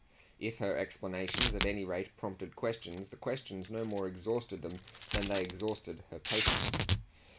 If her explanations at any rate prompted questions the questions no more exhausted them than they exhausted her patience.